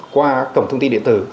qua cổng thông tin điện tử